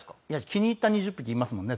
気に入った２０匹いますもんね